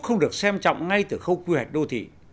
không được xem trọng ngay từ khâu quy hoạch đô thị